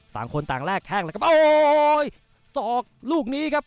ต่างคนแต่งแรกแข้งนะครับโอ้้ยยยศอกลูกนี้ครับ